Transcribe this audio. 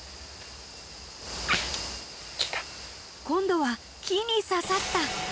［今度は木に刺さった］